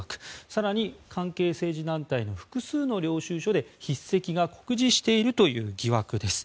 更に関係政治団体の複数の領収書で筆跡が酷似しているという疑惑です。